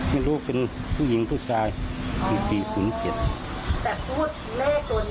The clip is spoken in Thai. มีรูปเป็นผู้หญิงผู้ชายอ๋อแต่พูดเลขตัวนี้ออกมา